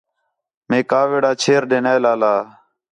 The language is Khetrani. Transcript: مئے کاوِڑ چھیر ݙے نے لالا